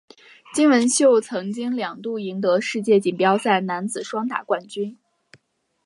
金文秀曾经两度赢得世界锦标赛男子双打冠军。